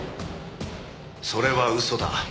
それは嘘だ。